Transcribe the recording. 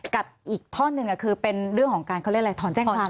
กับอีกท่อนหนึ่งคือเป็นเรื่องของการเขาเรียกอะไรถอนแจ้งความ